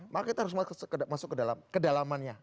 maka kita harus masuk ke dalamannya